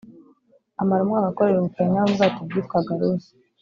amara umwaka akorera ubupayiniya mu bwato bwitwaga Rusi